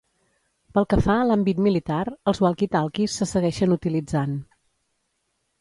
Pel que fa a l'àmbit militar, els walkie-talkies se segueixen utilitzant.